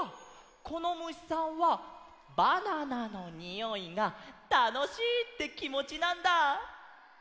このむしさんは「バナナのにおい」が「たのしい」ってきもちなんだ！